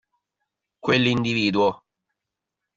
Quell'individuo.